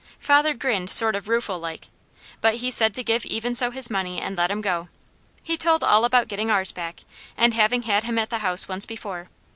Father grinned sort of rueful like, but he said to give Even So his money and let him go. He told all about getting ours back, and having had him at the house once before.